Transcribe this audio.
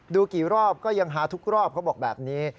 กี่รอบก็ยังฮาทุกรอบเขาบอกแบบนี้